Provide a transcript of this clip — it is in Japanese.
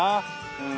うん。